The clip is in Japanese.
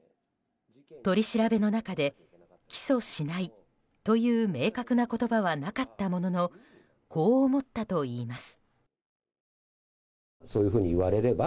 取り調べの中で起訴しないという明確な言葉はなかったもののこう思ったといいます。